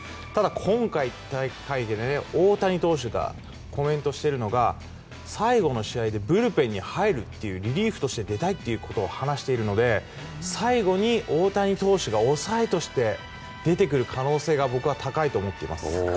今回の大会で大谷投手がコメントしているのが最後の試合でブルペンに入るというリリーフとして出たいと話しているので最後に大谷投手が抑えとして出てくる可能性が僕は高いと思っています。